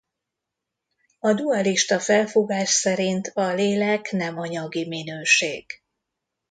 A dualista felfogás szerint a lélek nem anyagi minőség.